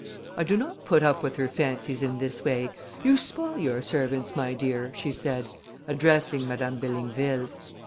"I do not put up with her fancies in this way. You spoil your servants, my dear," she said, addressing Madame de Ligneville.